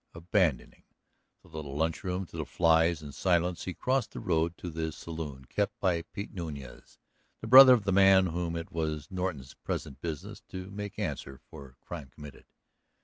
Abandoning the little lunch room to the flies and silence he crossed the road to the saloon kept by Pete Nuñez, the brother of the man whom it was Norton's present business to make answer for a crime committed.